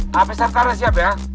hp sertane siap ya